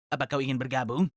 apa kau ingin bergabung